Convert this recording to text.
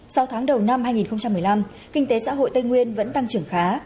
sau tháng đầu năm hai nghìn một mươi năm kinh tế xã hội tây nguyên vẫn tăng trưởng khá